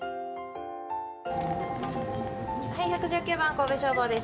はい１１９番神戸消防です。